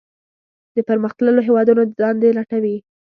د پرمختللو هیوادونو دندې لټوي.